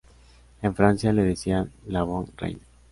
En Francia le decían "la bonne reine.